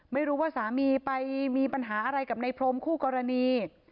ไม่รู้ว่าสามีไปมีปัญหาอะไรกับในพรมคู่กรณี